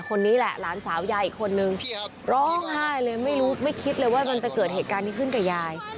คนนี้แหละหลานสาวยายอีกคนนึงร้องไห้เลยไม่รู้ไม่คิดเลยว่ามันจะเกิดเหตุการณ์นี้ขึ้นกับยาย